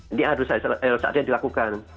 ini ada yang dilakukan